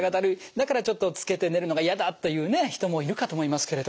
だからちょっとつけて寝るのが嫌だという人もいるかと思いますけれど。